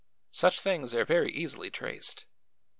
Such things are very easily traced.